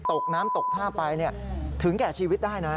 ตกน้ำตกท่าไปถึงแก่ชีวิตได้นะ